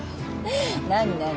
何何？